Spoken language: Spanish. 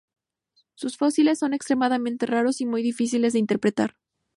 Sus fósiles son extremadamente raros y muy difíciles de interpretar.